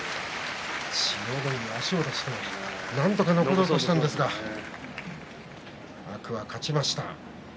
千代の海、足を出してなんとか残ろうとしたんですが天空海、勝ちました。